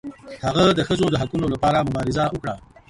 هغه د ښځو د حقونو لپاره مبارزه وکړه.